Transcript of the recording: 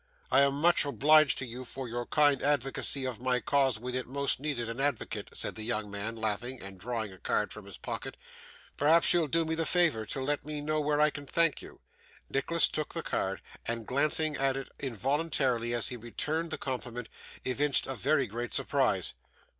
'I am much obliged to you for your kind advocacy of my cause when it most needed an advocate,' said the young man, laughing, and drawing a card from his pocket. 'Perhaps you'll do me the favour to let me know where I can thank you.' Nicholas took the card, and glancing at it involuntarily as he returned the compliment, evinced very great surprise.